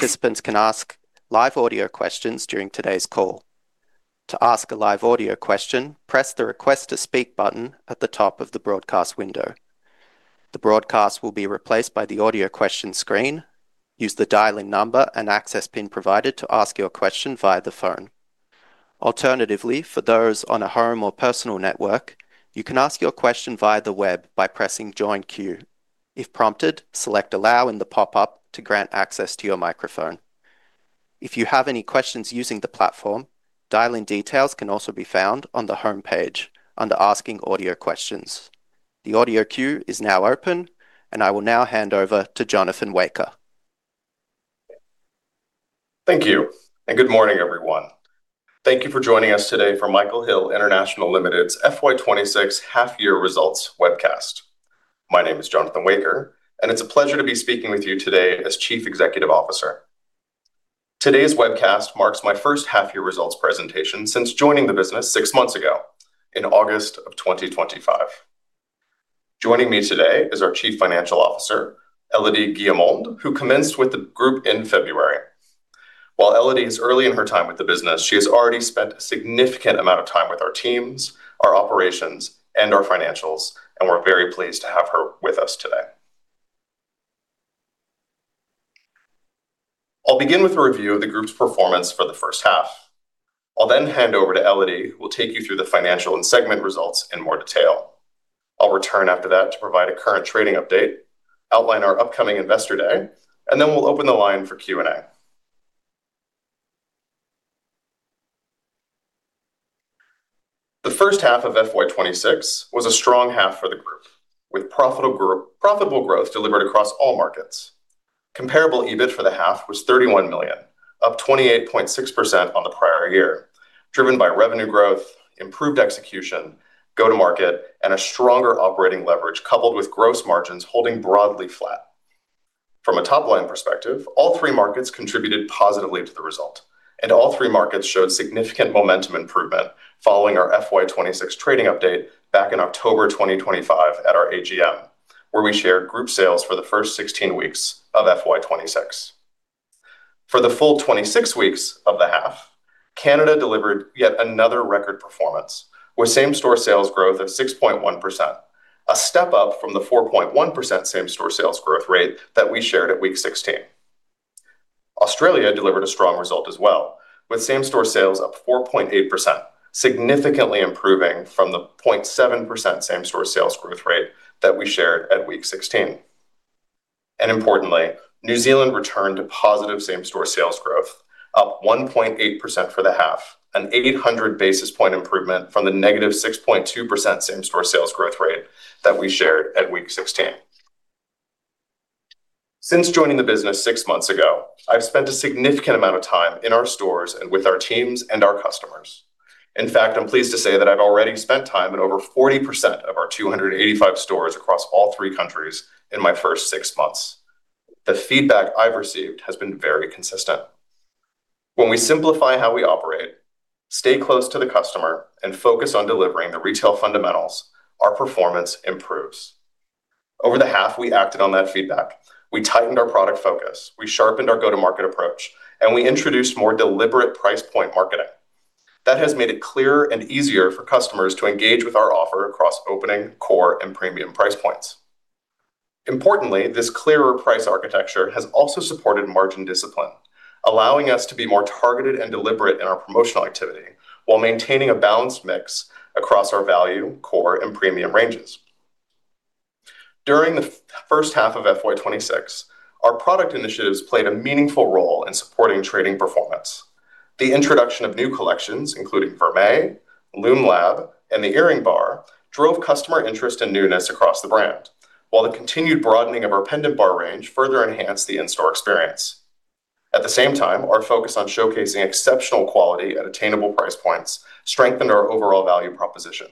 Participants can ask live audio questions during today's call. To ask a live audio question, press the Request to Speak button at the top of the broadcast window. The broadcast will be replaced by the audio question screen. Use the dial-in number and access PIN provided to ask your question via the phone. Alternatively, for those on a home or personal network, you can ask your question via the web by pressing Join Queue. If prompted, select Allow in the pop-up to grant access to your microphone. If you have any questions using the platform, dial-in details can also be found on the homepage under Asking Audio Questions. The audio queue is now open, and I will now hand over to Jonathan Waecker. Thank you. Good morning, everyone. Thank you for joining us today for Michael Hill International Limited's FY 2026 half-year results webcast. My name is Jonathan Waecker. It's a pleasure to be speaking with you today as Chief Executive Officer. Today's webcast marks my first half-year results presentation since joining the business six months ago in August of 2025. Joining me today is our Chief Financial Officer, Elodie Guillaumond, who commenced with the group in February. While Elodie is early in her time with the business, she has already spent a significant amount of time with our teams, our operations, and our financials. We're very pleased to have her with us today. I'll begin with a review of the group's performance for the first half. I'll hand over to Elodie, who will take you through the financial and segment results in more detail. I'll return after that to provide a current trading update, outline our upcoming Investor Day, and then we'll open the line for Q&A. The first half of FY 2026 was a strong half for the group, with profitable growth delivered across all markets. Comparable EBIT for the half was $31 million, up 28.6% on the prior year, driven by revenue growth, improved execution, go-to-market, and a stronger operating leverage coupled with gross margins holding broadly flat. From a top-line perspective, all three markets contributed positively to the result, and all three markets showed significant momentum improvement following our FY 2026 trading update back in October 2025 at our AGM, where we shared group sales for the first 16 weeks of FY 2026. For the full 26 weeks of the half, Canada delivered yet another record performance with same-store sales growth of 6.1%, a step up from the 4.1% same-store sales growth rate that we shared at week 16. Australia delivered a strong result as well, with same-store sales up 4.8%, significantly improving from the 0.7% same-store sales growth rate that we shared at week 16. Importantly, New Zealand returned to positive same-store sales growth, up 1.8% for the half, an 800 basis point improvement from the -6.2% same-store sales growth rate that we shared at week 16. Since joining the business six months ago, I've spent a significant amount of time in our stores and with our teams and our customers. In fact, I'm pleased to say that I've already spent time in over 40% of our 285 stores across all three countries in my first six months. The feedback I've received has been very consistent. When we simplify how we operate, stay close to the customer, and focus on delivering the retail fundamentals, our performance improves. Over the half, we acted on that feedback. We tightened our product focus. We sharpened our go-to-market approach, and we introduced more deliberate price point marketing. That has made it clearer and easier for customers to engage with our offer across opening, core, and premium price points. Importantly, this clearer price architecture has also supported margin discipline, allowing us to be more targeted and deliberate in our promotional activity while maintaining a balanced mix across our value, core, and premium ranges. During the first half of FY 2026, our product initiatives played a meaningful role in supporting trading performance. The introduction of new collections, including Vermeil, Lume LAB., and the Earring Bar, drove customer interest and newness across the brand, while the continued broadening of our Pendant Bar range further enhanced the in-store experience. At the same time, our focus on showcasing exceptional quality at attainable price points strengthened our overall value proposition.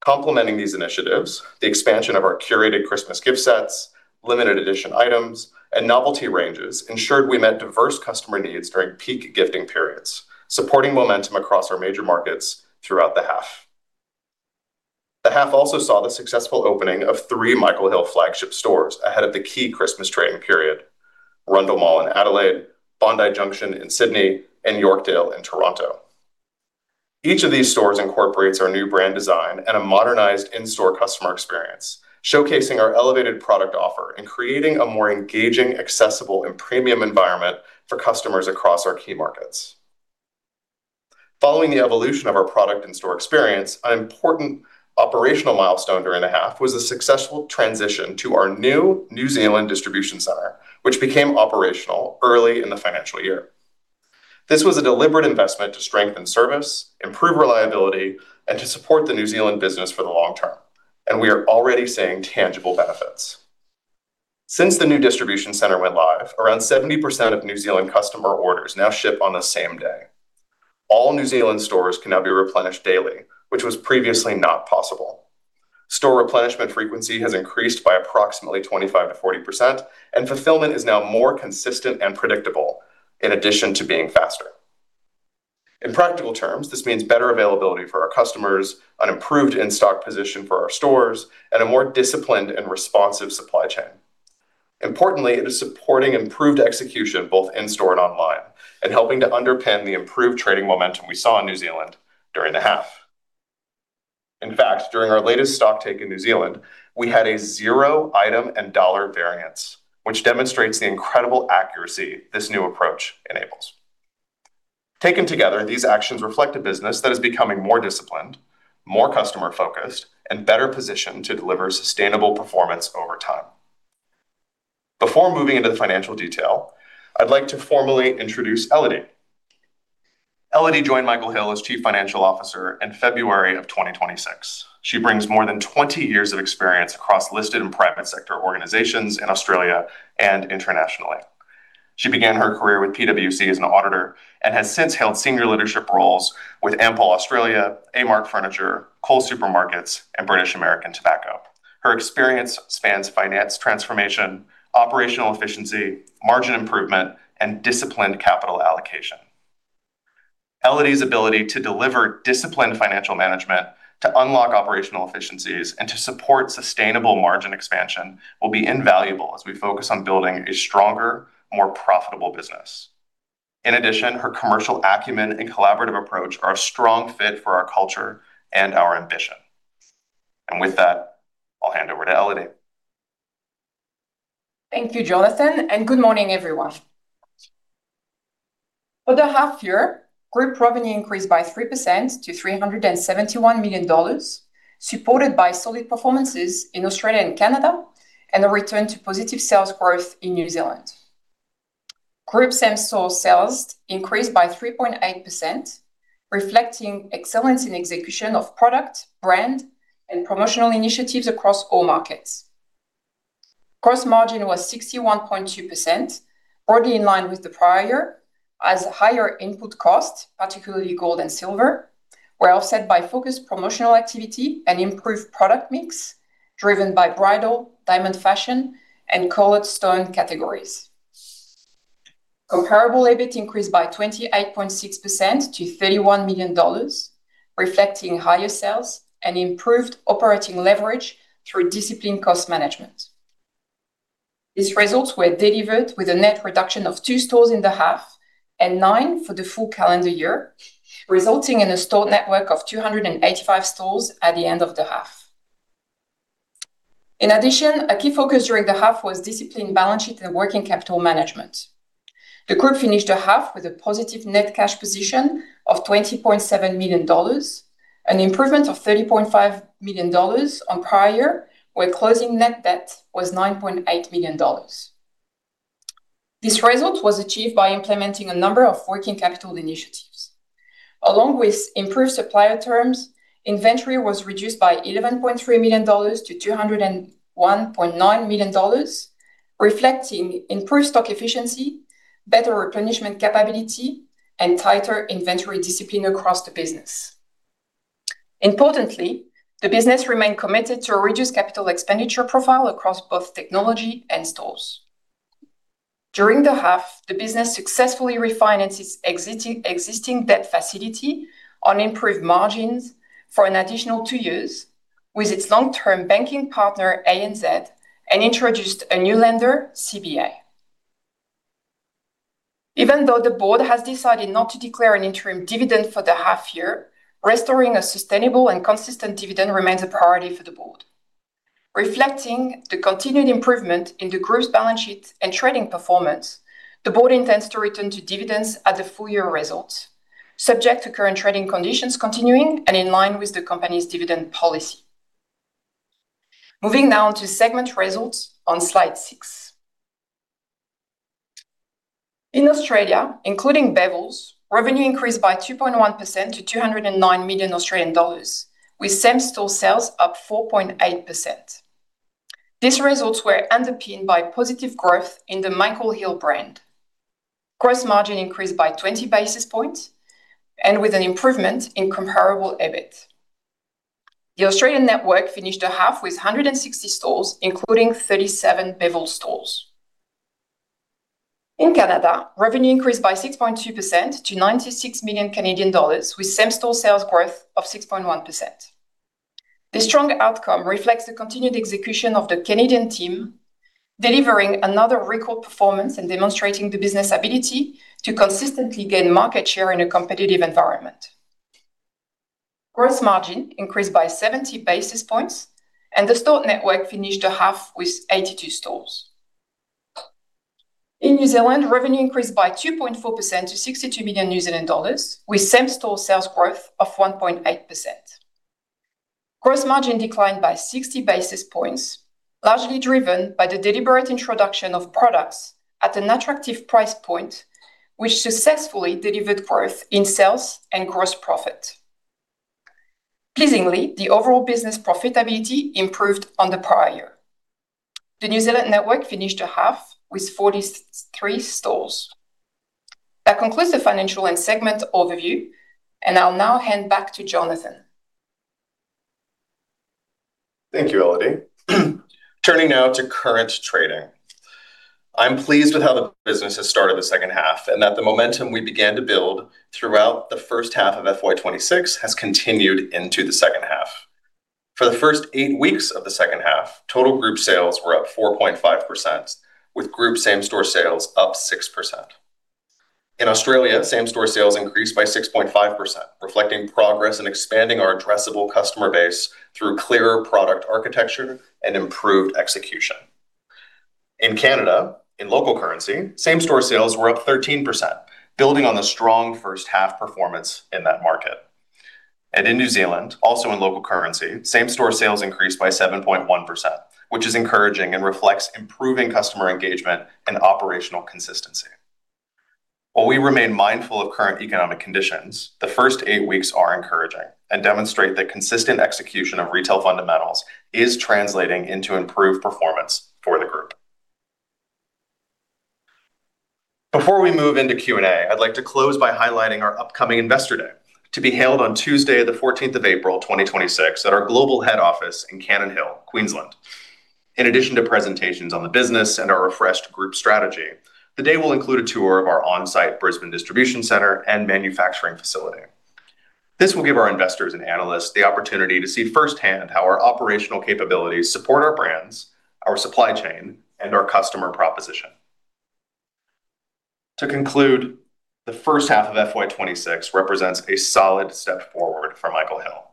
Complementing these initiatives, the expansion of our curated Christmas gift sets, limited edition items, and novelty ranges ensured we met diverse customer needs during peak gifting periods, supporting momentum across our major markets throughout the half. The half also saw the successful opening of 3 Michael Hill flagship stores ahead of the key Christmas trading period, Rundle Mall in Adelaide, Bondi Junction in Sydney, and Yorkdale in Toronto. Each of these stores incorporates our new brand design and a modernized in-store customer experience, showcasing our elevated product offer and creating a more engaging, accessible, and premium environment for customers across our key markets. Following the evolution of our product in-store experience, an important operational milestone during the half was the successful transition to our new New Zealand distribution center, which became operational early in the financial year. This was a deliberate investment to strengthen service, improve reliability, and to support the New Zealand business for the long term, and we are already seeing tangible benefits. Since the new distribution center went live, around 70% of New Zealand customer orders now ship on the same day. All New Zealand stores can now be replenished daily, which was previously not possible. Store replenishment frequency has increased by approximately 25% to 40%, and fulfillment is now more consistent and predictable in addition to being faster. In practical terms, this means better availability for our customers, an improved in-stock position for our stores, and a more disciplined and responsive supply chain. Importantly, it is supporting improved execution both in-store and online and helping to underpin the improved trading momentum we saw in New Zealand during the half. In fact, during our latest stocktake in New Zealand, we had a zero item and dollar variance, which demonstrates the incredible accuracy this new approach enables. Taken together, these actions reflect a business that is becoming more disciplined, more customer-focused, and better positioned to deliver sustainable performance over time. Before moving into the financial detail, I'd like to formally introduce Elodie. Elodie joined Michael Hill as Chief Financial Officer in February of 2026. She brings more than 20 years of experience across listed and private sector organizations in Australia and internationally. She began her career with PwC as an auditor and has since held senior leadership roles with Ampol Limited, Amart Furniture, Coles Supermarkets, and British American Tobacco. Her experience spans finance transformation, operational efficiency, margin improvement, and disciplined capital allocation. Elodie's ability to deliver disciplined financial management, to unlock operational efficiencies, and to support sustainable margin expansion will be invaluable as we focus on building a stronger, more profitable business. In addition, her commercial acumen and collaborative approach are a strong fit for our culture and our ambition. With that, I'll hand over to Elodie. Thank you, Jonathan, and good morning, everyone. For the half year, group revenue increased by 3% to $371 million, supported by solid performances in Australia and Canada and a return to positive sales growth in New Zealand. Group same-store sales increased by 3.8%, reflecting excellence in execution of product, brand, and promotional initiatives across all markets. Gross margin was 61.2%, broadly in line with the prior, as higher input costs, particularly gold and silver, were offset by focused promotional activity and improved product mix driven by bridal, diamond fashion, and colored stone categories. Comparable EBIT increased by 28.6% to $31 million, reflecting higher sales and improved operating leverage through disciplined cost management. These results were delivered with a net reduction of two stores in the half and nine for the full calendar year, resulting in a store network of 285 stores at the end of the half. A key focus during the half was disciplined balance sheet and working capital management. The group finished the half with a positive net cash position of 20.7 million dollars, an improvement of 30.5 million dollars on prior, where closing net debt was 9.8 million dollars. This result was achieved by implementing a number of working capital initiatives. Improved supplier terms, inventory was reduced by 11.3 million dollars to 201.9 million dollars, reflecting improved stock efficiency, better replenishment capability, and tighter inventory discipline across the business. Importantly, the business remained committed to a reduced capital expenditure profile across both technology and stores. During the half, the business successfully refinanced its existing debt facility on improved margins for an additional two years with its long-term banking partner, ANZ, and introduced a new lender, CBA. Even though the board has decided not to declare an interim dividend for the half year, restoring a sustainable and consistent dividend remains a priority for the board. Reflecting the continued improvement in the group's balance sheet and trading performance, the board intends to return to dividends at the full-year results, subject to current trading conditions continuing and in line with the company's dividend policy. Moving now to segment results on slide six. In Australia, including Bevilles, revenue increased by 2.1% to 209 million Australian dollars, with same-store sales up 4.8%. These results were underpinned by positive growth in the Michael Hill brand. Gross margin increased by 20 basis points and with an improvement in comparable EBIT. The Australian network finished the half with 160 stores, including 37 Bevilles stores. In Canada, revenue increased by 6.2% to 96 million Canadian dollars, with same-store sales growth of 6.1%. The strong outcome reflects the continued execution of the Canadian team, delivering another record performance and demonstrating the business ability to consistently gain market share in a competitive environment. Gross margin increased by 70 basis points, and the store network finished the half with 82 stores. In New Zealand, revenue increased by 2.4% to 62 million New Zealand dollars, with same-store sales growth of 1.8%. Gross margin declined by 60 basis points, largely driven by the deliberate introduction of products at an attractive price point, which successfully delivered growth in sales and gross profit. Pleasingly, the overall business profitability improved on the prior year. The New Zealand network finished the half with 43 stores. That concludes the financial and segment overview. I'll now hand back to Jonathan. Thank you, Elodie. Turning now to current trading. I'm pleased with how the business has started the second half, and that the momentum we began to build throughout the first half of FY 2026 has continued into the second half. For the first eight weeks of the second half, total group sales were up 4.5%, with group same-store sales up 6%. In Australia, same-store sales increased by 6.5%, reflecting progress in expanding our addressable customer base through clearer product architecture and improved execution. In Canada, in local currency, same-store sales were up 13%, building on the strong first half performance in that market. In New Zealand, also in local currency, same-store sales increased by 7.1%, which is encouraging and reflects improving customer engagement and operational consistency. While we remain mindful of current economic conditions, the first eight weeks are encouraging and demonstrate that consistent execution of retail fundamentals is translating into improved performance for the group. Before we move into Q&A, I'd like to close by highlighting our upcoming Investor Day to be held on Tuesday the fourteenth of April 2026 at our global head office in Cannon Hill, Queensland. In addition to presentations on the business and our refreshed group strategy, the day will include a tour of our on-site Brisbane distribution center and manufacturing facility. This will give our investors and analysts the opportunity to see firsthand how our operational capabilities support our brands, our supply chain, and our customer proposition. To conclude, the first half of FY 2026 represents a solid step forward for Michael Hill.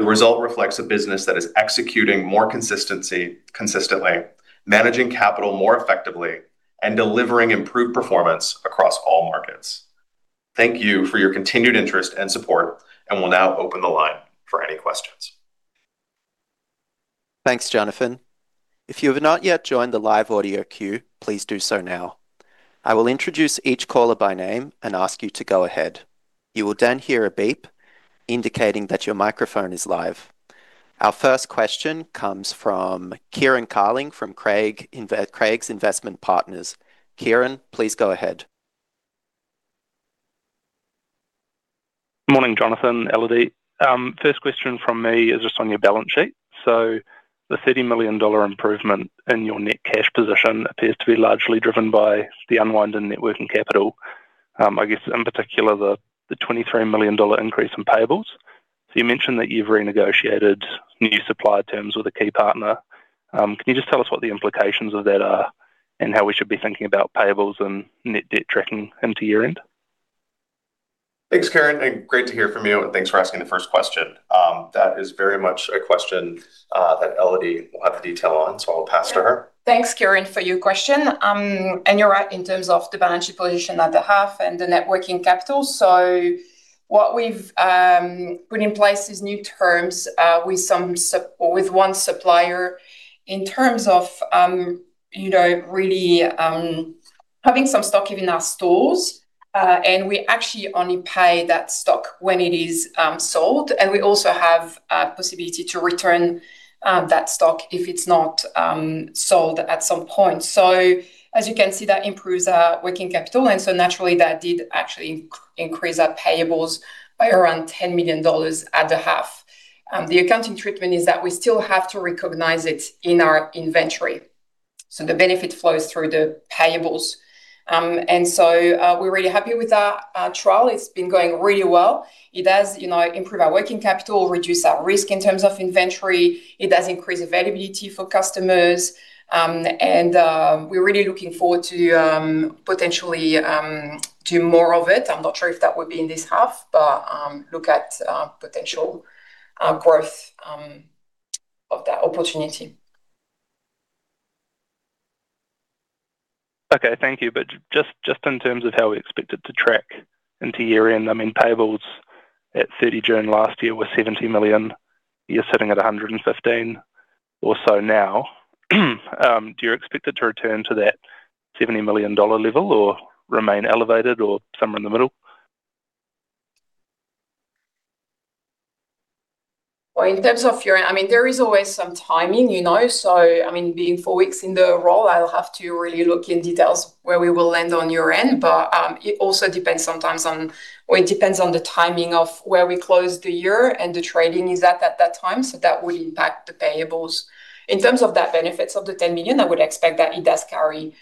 The result reflects a business that is executing more consistently, managing capital more effectively, and delivering improved performance across all markets. Thank you for your continued interest and support. We'll now open the line for any questions. Thanks, Jonathan. If you have not yet joined the live audio queue, please do so now. I will introduce each caller by name and ask you to go ahead. You will then hear a beep indicating that your microphone is live. Our first question comes from Kieran Carling from Craigs Investment Partners. Kieran, please go ahead. Morning, Jonathan, Elodie. First question from me is just on your balance sheet. The 30 million dollar improvement in your net cash position appears to be largely driven by the unwind in net working capital, I guess in particular the 23 million dollar increase in payables. You mentioned that you've renegotiated new supplier terms with a key partner. Can you just tell us what the implications of that are and how we should be thinking about payables and net debt tracking into year-end? Thanks, Kieran, and great to hear from you, and thanks for asking the first question. That is very much a question, that Elodie will have the detail on, so I'll pass to her. Yeah. Thanks, Kieran, for your question. You're right in terms of the balance sheet position at the half and the net working capital. What we've put in place is new terms with one supplier in terms of, you know, really having some stock in our stores. We actually only pay that stock when it is sold. We also have a possibility to return that stock if it's not sold at some point. As you can see, that improves our working capital, and so naturally, that did actually increase our payables by around $10 million at the half. The accounting treatment is that we still have to recognize it in our inventory, the benefit flows through the payables. We're really happy with our trial. It's been going really well. It does, you know, improve our working capital, reduce our risk in terms of inventory. It does increase availability for customers, and we're really looking forward to potentially do more of it. I'm not sure if that would be in this half, but look at potential growth of that opportunity. Okay. Thank you. Just in terms of how we expect it to track into year-end. I mean, payables at 30 June last year were 70 million. You're sitting at 115 million or so now. Do you expect it to return to that 70 million dollar level or remain elevated or somewhere in the middle? In terms of I mean, there is always some timing, you know. I mean, being four weeks into the role, I'll have to really look in details where we will land on year-end. It also depends sometimes or it depends on the timing of where we close the year and the trading is at that time. That would impact the payables. In terms of that benefits of the 10 million, I would expect that it does carry,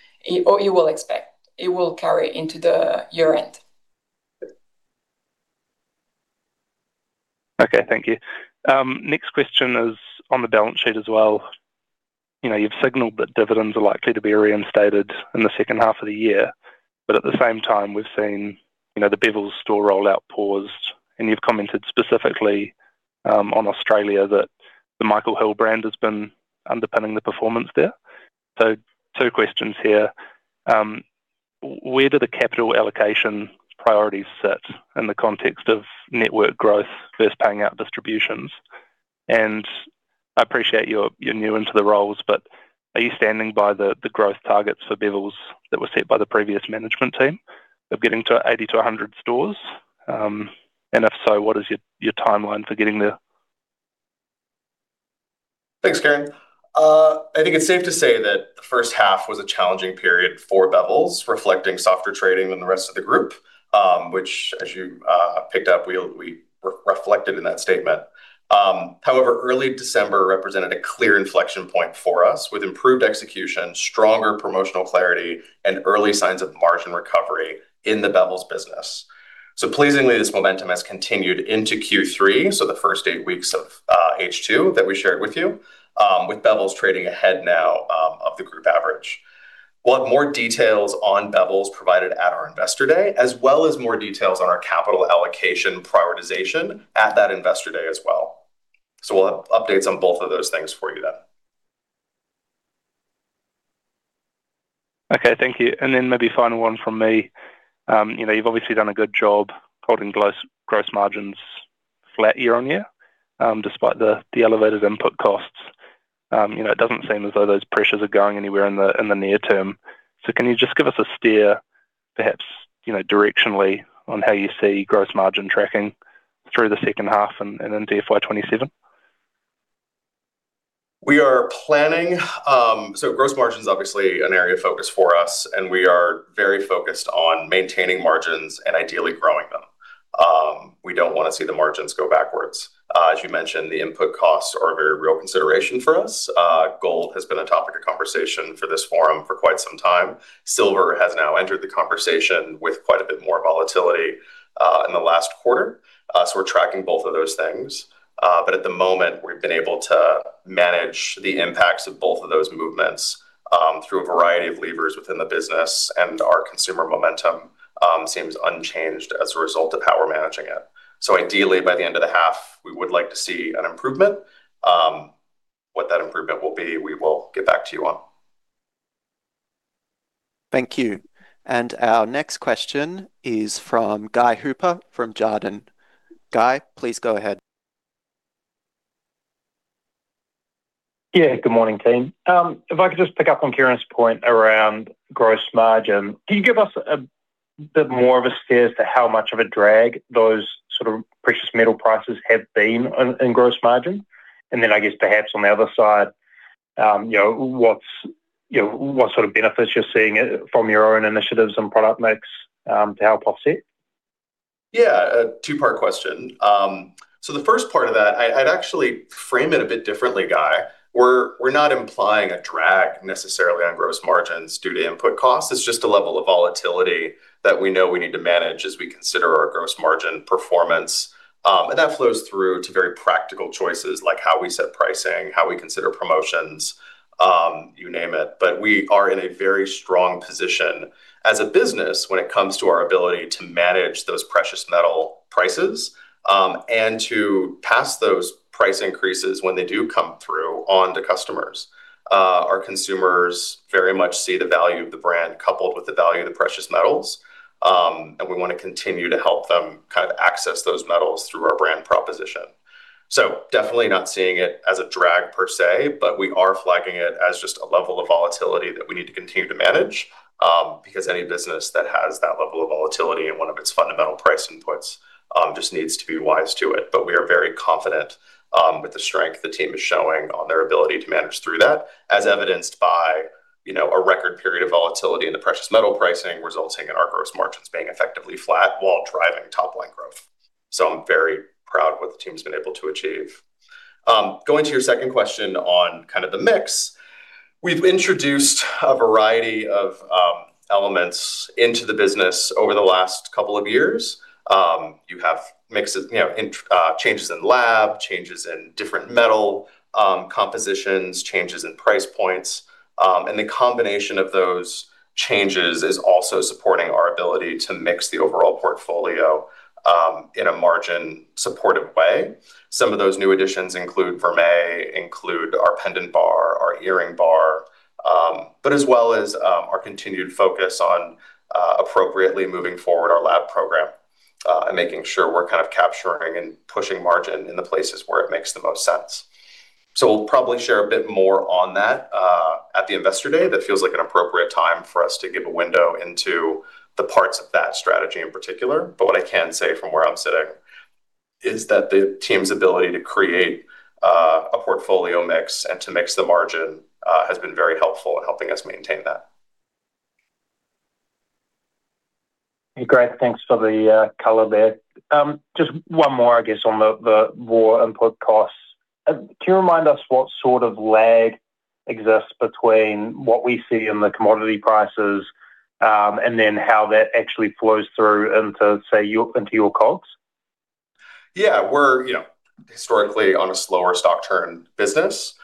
or you will expect it will carry into the year-end. Okay. Thank you. Next question is on the balance sheet as well. You know, you've signaled that dividends are likely to be reinstated in the second half of the year. But at the same time, we've seen, you know, the Bevilles store rollout paused, and you've commented specifically on Australia that the Michael Hill brand has been underpinning the performance there. So two questions here. Where do the capital allocation priorities sit in the context of network growth versus paying out distributions? And I appreciate you're new into the roles, but are you standing by the growth targets for Bevilles that were set by the previous management team of getting to 80-100 stores? And if so, what is your timeline for getting there? Thanks, Kieran. I think it's safe to say that the first half was a challenging period for Bevilles, reflecting softer trading than the rest of the group, which as you picked up, we reflected in that statement. However, early December represented a clear inflection point for us with improved execution, stronger promotional clarity, and early signs of margin recovery in the Bevilles business. Pleasingly, this momentum has continued into Q3, so the first eight weeks of H2 that we shared with you, with Bevilles trading ahead now of the group average. We'll have more details on Bevilles provided at our investor day, as well as more details on our capital allocation prioritization at that investor day as well. We'll have updates on both of those things for you then. Okay. Thank you. Then maybe final one from me. You know, you've obviously done a good job holding gross margins flat year on year, despite the elevated input costs. You know, it doesn't seem as though those pressures are going anywhere in the near term. Can you just give us a steer, perhaps, you know, directionally on how you see gross margin tracking through the second half and in FY 2027? We are planning. Gross margin is obviously an area of focus for us, and we are very focused on maintaining margins and ideally growing them. We don't wanna see the margins go backwards. As you mentioned, the input costs are a very real consideration for us. Gold has been a topic of conversation for this forum for quite some time. Silver has now entered the conversation with quite a bit more volatility in the last quarter. We're tracking both of those things. At the moment, we've been able to manage the impacts of both of those movements through a variety of levers within the business and our consumer momentum seems unchanged as a result of how we're managing it. Ideally, by the end of the half, we would like to see an improvement. What that improvement will be, we will get back to you on. Thank you. Our next question is from Guy Hooper from Jarden. Guy, please go ahead. Good morning, team. If I could just pick up on Kieran's point around gross margin. Can you give us a bit more of a steer as to how much of a drag those sort of precious metal prices have been in gross margin? I guess perhaps on the other side, you know, what sort of benefits you're seeing it from your own initiatives and product mix to help offset? A two-part question. The first part of that, I'd actually frame it a bit differently, Guy. We're not implying a drag necessarily on gross margins due to input costs. It's just a level of volatility that we know we need to manage as we consider our gross margin performance. That flows through to very practical choices like how we set pricing, how we consider promotions, you name it. We are in a very strong position as a business when it comes to our ability to manage those precious metal prices, and to pass those price increases when they do come through on to customers. Our consumers very much see the value of the brand coupled with the value of the precious metals, and we wanna continue to help them kind of access those metals through our brand proposition. Definitely not seeing it as a drag per se, but we are flagging it as just a level of volatility that we need to continue to manage, because any business that has that level of volatility in one of its fundamental price inputs, just needs to be wise to it. We are very confident, with the strength the team is showing on their ability to manage through that, as evidenced by, you know, a record period of volatility in the precious metal pricing resulting in our gross margins being effectively flat while driving top line growth. I'm very proud of what the team's been able to achieve. Going to your second question on kind of the mix. We've introduced a variety of elements into the business over the last couple of years. You have mixes, you know, in changes in lab, changes in different metal, compositions, changes in price points. The combination of those changes is also supporting our ability to mix the overall portfolio in a margin-supportive way. Some of those new additions include Vermeil, include our Pendant Bar, our Earring Bar, but as well as our continued focus on appropriately moving forward our lab program and making sure we're kind of capturing and pushing margin in the places where it makes the most sense. We'll probably share a bit more on that at the investor day. That feels like an appropriate time for us to give a window into the parts of that strategy in particular. What I can say from where I'm sitting is that the team's ability to create a portfolio mix and to mix the margin, has been very helpful in helping us maintain that. Great. Thanks for the color there. Just one more, I guess, on the raw input costs. Can you remind us what sort of lag exists between what we see in the commodity prices, and then how that actually flows through into, say, into your costs? Yeah. We're, you know, historically on a slower stock turn business.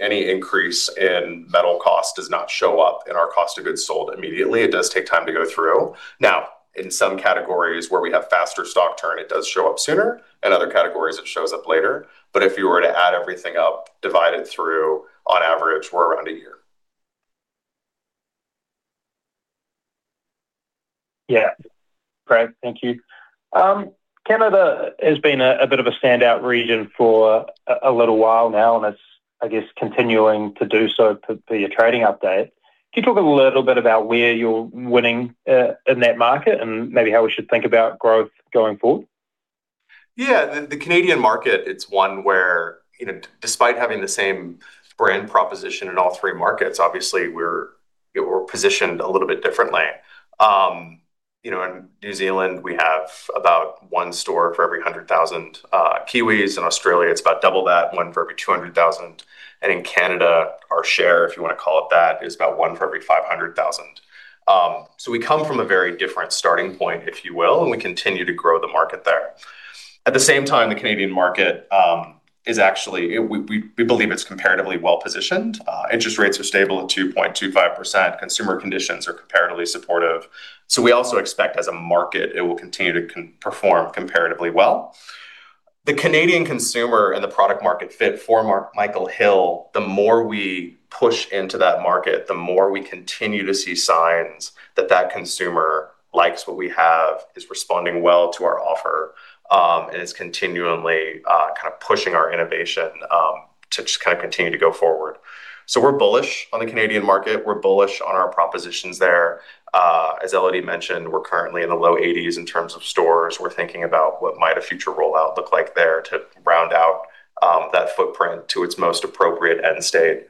Any increase in metal cost does not show up in our cost of goods sold immediately. It does take time to go through. In some categories where we have faster stock turn, it does show up sooner. In other categories, it shows up later. If you were to add everything up, divide it through, on average, we're around a year. Yeah. Great. Thank you. Canada has been a bit of a standout region for a little while now. It's, I guess, continuing to do so for your trading update. Can you talk a little bit about where you're winning in that market and maybe how we should think about growth going forward? Yeah. The Canadian market, it's one where, you know, despite having the same brand proposition in all three markets, obviously we're positioned a little bit differently. You know, in New Zealand, we have about one store for every 100,000 Kiwis. In Australia, it's about double that, one for every 200,000. In Canada, our share, if you wanna call it that, is about one for every 500,000. We come from a very different starting point, if you will, and we continue to grow the market there. At the same time, the Canadian market, is actually, we believe it's comparatively well-positioned. Interest rates are stable at 2.25%. Consumer conditions are comparatively supportive. We also expect, as a market, it will continue to perform comparatively well. The Canadian consumer and the product market fit for Michael Hill, the more we push into that market, the more we continue to see signs that that consumer likes what we have, is responding well to our offer, and is continually kind of pushing our innovation to just kind of continue to go forward. We're bullish on the Canadian market. We're bullish on our propositions there. As Elodie mentioned, we're currently in the low 80s in terms of stores. We're thinking about what might a future rollout look like there to round out that footprint to its most appropriate end state.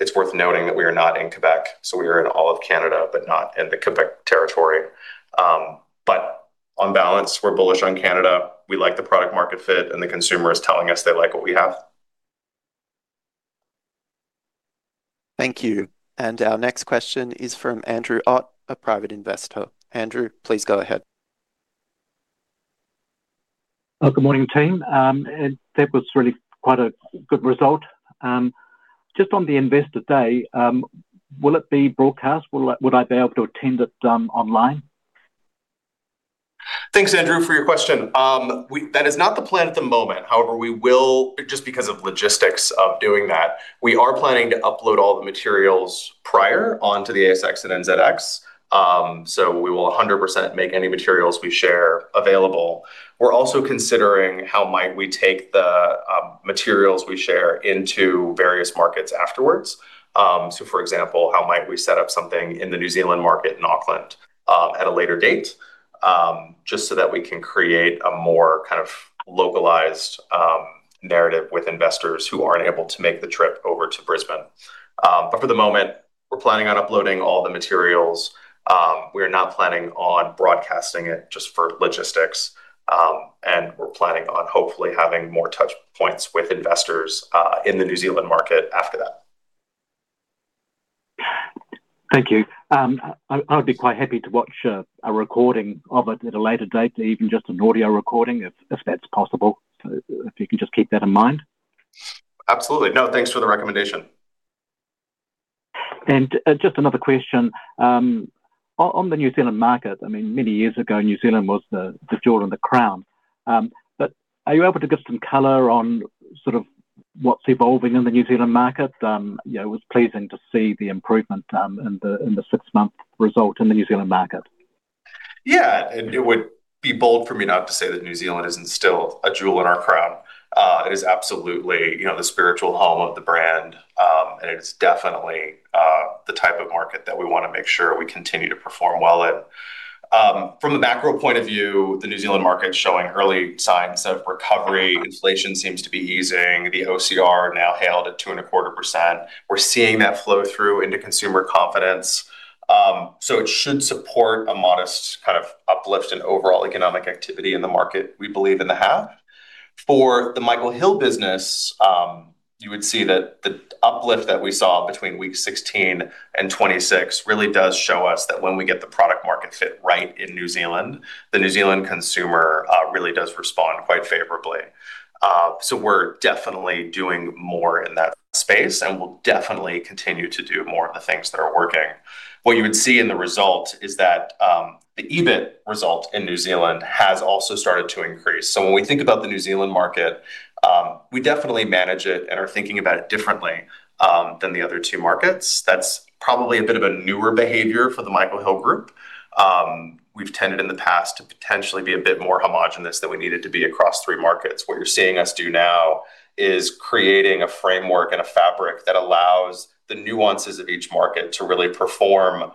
It's worth noting that we are not in Quebec, so we are in all of Canada, but not in the Quebec territory. On balance, we're bullish on Canada. We like the product market fit, and the consumer is telling us they like what we have. Thank you. Our next question is from Andrew Ott, a private investor. Andrew, please go ahead. Oh, good morning, team. That was really quite a good result. Just on the investor day, will it be broadcast? Would I be able to attend it online? Thanks, Andrew, for your question. That is not the plan at the moment. However, we will, just because of logistics of doing that, we are planning to upload all the materials prior onto the ASX and NZX. We will 100% make any materials we share available. We're also considering how might we take the materials we share into various markets afterwards. For example, how might we set up something in the New Zealand market in Auckland at a later date just so that we can create a more kind of localized narrative with investors who aren't able to make the trip over to Brisbane. For the moment, we're planning on uploading all the materials. We're not planning on broadcasting it just for logistics, and we're planning on hopefully having more touchpoints with investors in the New Zealand market after that. Thank you. I'd be quite happy to watch a recording of it at a later date or even just an audio recording if that's possible. If you can just keep that in mind. Absolutely. No, thanks for the recommendation. Just another question. On the New Zealand market, I mean, many years ago, New Zealand was the jewel in the crown. Are you able to give some color on sort of what's evolving in the New Zealand market? You know, it was pleasing to see the improvement in the six-month result in the New Zealand market. It would be bold for me not to say that New Zealand isn't still a jewel in our crown. It is absolutely, you know, the spiritual home of the brand, and it's definitely the type of market that we wanna make sure we continue to perform well in. From the macro point of view, the New Zealand market's showing early signs of recovery. Inflation seems to be easing. The OCR now held at 2.25%. We're seeing that flow through into consumer confidence. It should support a modest kind of uplift in overall economic activity in the market, we believe in the half. For the Michael Hill business, you would see that the uplift that we saw between weeks 16 and 26 really does show us that when we get the product market fit right in New Zealand, the New Zealand consumer really does respond quite favorably. We're definitely doing more in that space, and we'll definitely continue to do more of the things that are working. What you would see in the result is that the EBIT result in New Zealand has also started to increase. When we think about the New Zealand market, we definitely manage it and are thinking about it differently than the other two markets. That's probably a bit of a newer behavior for the Michael Hill group. We've tended in the past to potentially be a bit more homogenous than we needed to be across three markets. What you're seeing us do now is creating a framework and a fabric that allows the nuances of each market to really perform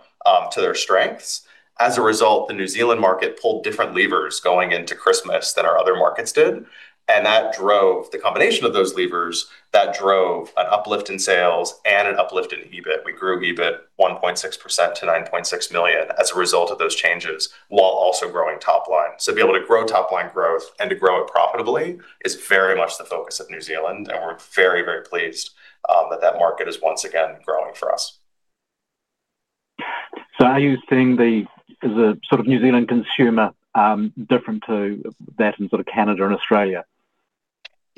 to their strengths. As a result, the New Zealand market pulled different levers going into Christmas than our other markets did, and the combination of those levers, that drove an uplift in sales and an uplift in EBIT. We grew EBIT 1.6% to 9.6 million as a result of those changes while also growing top line. To be able to grow top-line growth and to grow it profitably is very much the focus of New Zealand, and we're very, very pleased that that market is once again growing for us. Is the sort of New Zealand consumer different to that in sort of Canada and Australia?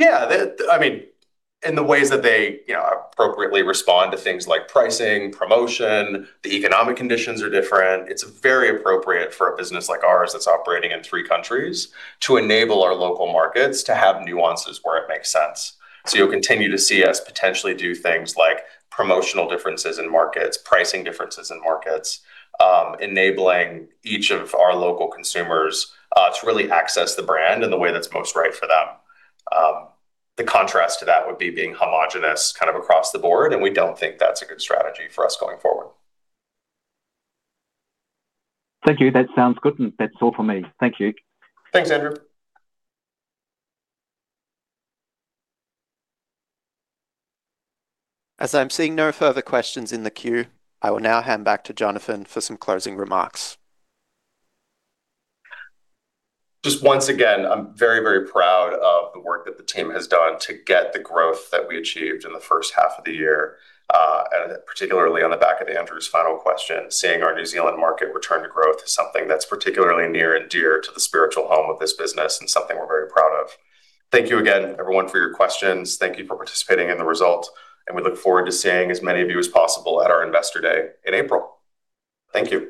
I mean, in the ways that they, you know, appropriately respond to things like pricing, promotion. The economic conditions are different. It's very appropriate for a business like ours that's operating in three countries to enable our local markets to have nuances where it makes sense. You'll continue to see us potentially do things like promotional differences in markets, pricing differences in markets, enabling each of our local consumers to really access the brand in the way that's most right for them. The contrast to that would be being homogeneous kind of across the board, and we don't think that's a good strategy for us going forward. Thank you. That sounds good. That's all for me. Thank you. Thanks, Andrew. As I'm seeing no further questions in the queue, I will now hand back to Jonathan for some closing remarks. Just once again, I'm very, very proud of the work that the team has done to get the growth that we achieved in the first half of the year. Particularly on the back of Andrew's final question, seeing our New Zealand market return to growth is something that's particularly near and dear to the spiritual home of this business and something we're very proud of. Thank you again, everyone, for your questions. Thank you for participating in the result, and we look forward to seeing as many of you as possible at our Investor Day in April. Thank you.